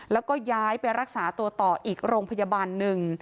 แล้วก็ย้ายไปรักษาตัวต่ออีกโรงพยาบาลหนึ่ง